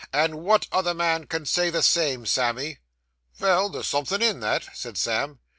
And wot other man can say the same, Sammy?' 'Vell, there's somethin' in that,' said Sam.